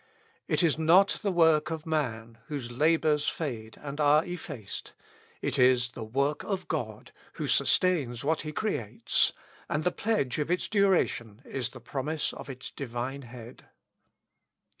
It is not the work of man, whose labours fade and are effaced; it is the work of God, who sustains what he creates; and the pledge of its duration is the promise of its divine Head.